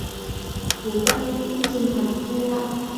Bố em cũng dừng hẳn xe lại